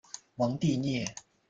蒙蒂涅。